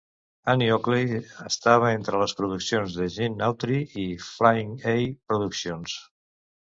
"Annie Oakley" estava entre les produccions de Gene Autry a Flying A Productions.